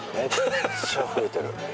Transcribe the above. めっちゃ増えてる。